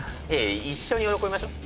一緒に喜びましょう。